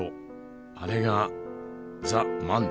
あれが「ザ・マン」です。